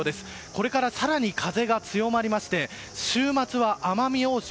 これから更に風が強まりまして週末は奄美大島